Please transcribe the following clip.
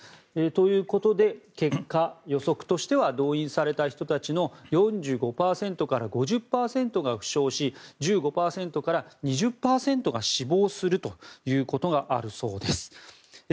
ということで結果予測としては動員された人たちの４５％から５０％が負傷し１５％から２０％が死亡するということがあるそうです。